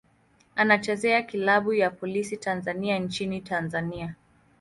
Anachezea klabu ya Polisi Tanzania nchini Tanzania.